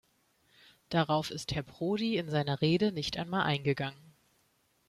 Darauf ist Herr Prodi in seiner Rede nicht einmal eingegangen.